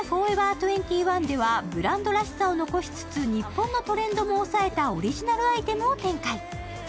２１ではブランドらしさを残しつつ日本のトレンドも押さえたオリジナルアイテムを展開。